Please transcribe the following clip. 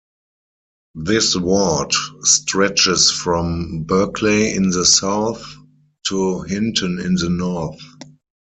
This ward stretches from Berkeley in the south to Hinton in the north.